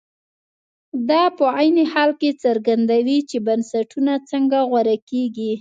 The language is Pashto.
دا په عین حال کې څرګندوي چې بنسټونه څنګه غوره کېږي.